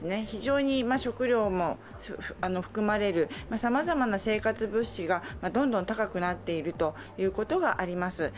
非常に食料も含まれるさまざまな生活物資がどんどん高くなっていることがあります。